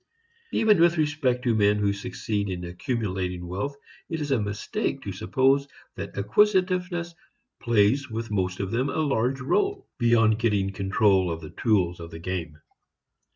Even with respect to men who succeed in accumulating wealth it is a mistake to suppose that acquisitiveness plays with most of them a large rôle, beyond getting control of the tools of the game.